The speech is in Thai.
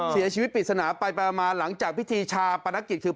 สีชีวิตปิดศนะไปประมาณหลังจากพิธีชาปนักกิจคือ